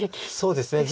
そうですね。